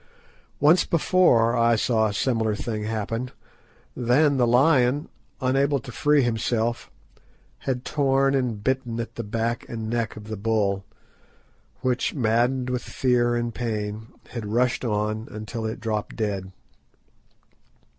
Once before I saw a similar thing happen. Then the lion, unable to free himself, had torn and bitten at the back and neck of the bull, which, maddened with fear and pain, had rushed on until it dropped dead.